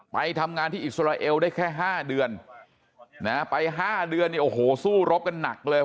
ไปทำงานที่อิสราเอลได้แค่๕เดือนไป๕เดือนเนี่ยโอ้โหสู้รบกันหนักเลย